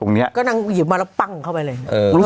นี้ก็นั่งหยิบมาแล้วปั้งเข้าไปเลย